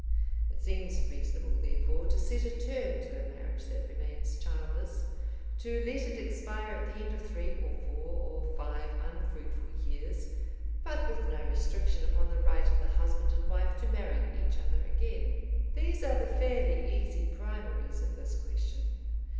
It seems reasonable, therefore, to set a term to a marriage that remains childless, to let it expire at the end of three or four or five unfruitful years, but with no restriction upon the right of the husband and wife to marry each other again. These are the fairly easy primaries of this question.